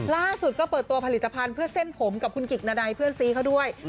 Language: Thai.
ล่าสุดก็เปิดตัวผลิตภัณฑ์เพื่อเส้นผมกับคุณกิจนาดัยเพื่อนซีเขาด้วย